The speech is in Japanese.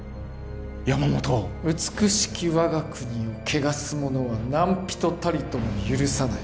山本を美しき我が国を汚す者は何人たりとも許さない